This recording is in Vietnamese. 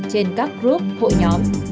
trên các group hội nhóm